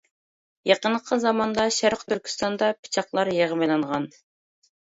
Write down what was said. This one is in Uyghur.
يېقىنقى زاماندا شەرقى تۈركىستاندا پىچاقلار يىغىۋېلىنغان.